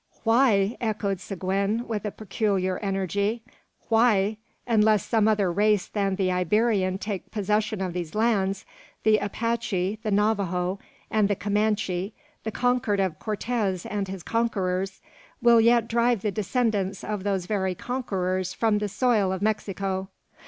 "Why!" echoed Seguin, with a peculiar energy; "why! Unless some other race than the Iberian take possession of these lands, the Apache, the Navajo, and the Comanche, the conquered of Cortez and his conquerors, will yet drive the descendants of those very conquerors from the soil of Mexico.